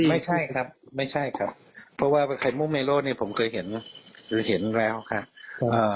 ไม่ใช่ครับไม่ใช่ครับเพราะว่าไข่มุกเมโล่ผมเคยเห็นแล้วครับ